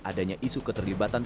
adanya isu keterlibatan tersebut